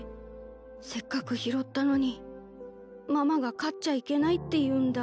せっかく拾ったのにママが飼っちゃいけないって言うんだ。